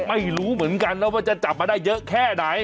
ไม่รู้เหมือนกันนะว่าจะจับมาได้เยอะแค่ไหน